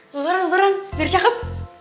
luluran luluran mirip cakep